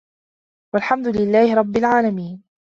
وَالحَمدُ لِلَّهِ رَبِّ العالَمينَ